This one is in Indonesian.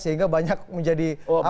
sehingga banyak menjadi apa ya